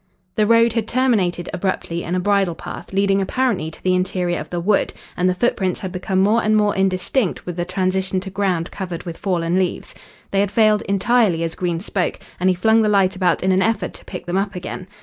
The road had terminated abruptly in a bridle path leading apparently to the interior of the wood, and the foot prints had become more and more indistinct with the transition to ground covered with fallen leaves. They had failed entirely as Green spoke, and he flung the light about in an effort to pick them up again.